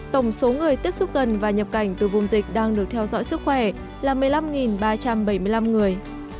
tổng số người tiếp xúc gần và nhập cảnh từ vùng dịch đang được theo dõi sức khỏe là một mươi năm ba trăm bảy mươi năm người